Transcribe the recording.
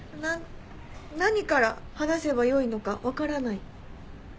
何から話せばよいのかわからない。